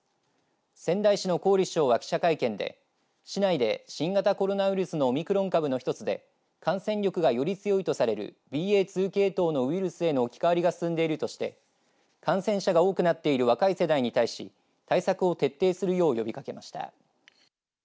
仙台市の郡市長は記者会見で市内で、新型コロナウイルスのオミクロン株の１つで感染力が、より強いとされるＢＡ．２系統のウイルスへの置き変わりが進んでいるとして感染者が多くなっている若い世代に対し対策を徹底するよう呼びかけました。